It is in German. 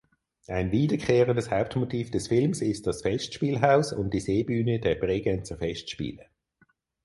Ein wiederkehrendes Hauptmotiv des Films ist das Festspielhaus und die Seebühne der Bregenzer Festspiele.